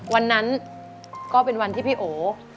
วันนั้นก็เป็นวันที่พี่โอ